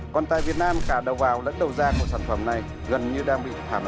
còn tại việt nam cả đầu vào lẫn đầu ra của sản phẩm này gần như đang bị thả